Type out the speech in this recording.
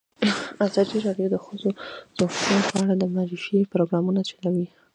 ازادي راډیو د د ښځو حقونه په اړه د معارفې پروګرامونه چلولي.